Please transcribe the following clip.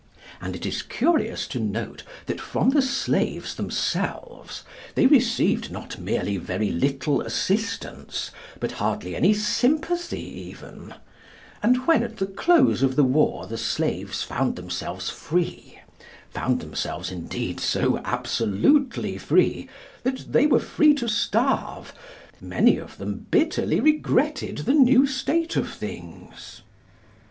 And it is curious to note that from the slaves themselves they received, not merely very little assistance, but hardly any sympathy even; and when at the close of the war the slaves found themselves free, found themselves indeed so absolutely free that they were free to starve, many of them bitterly regretted the new state of things.